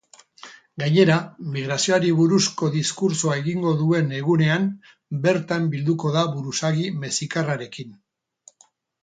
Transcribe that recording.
Gainera, migrazioari buruzko diskurtsoa egingo duen egunean bertan bilduko da buruzagi mexikarrarekin.